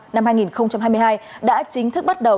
năm hai nghìn hai mươi hai đã chính thức bắt đầu